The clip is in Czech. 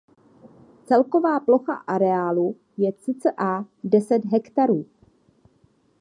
Celková plocha areálu je cca deset hektarů.